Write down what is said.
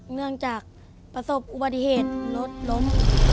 เนื่องจากประสบอุบัติเหตุรถล้ม